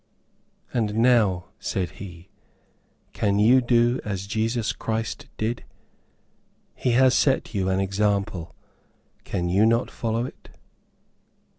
"And now," said he, "can you do as Jesus Christ did? He has set you an example, can you not follow it?"